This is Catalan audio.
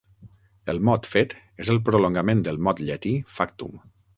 El mot "fet" és el prolongament del mot llatí "factum".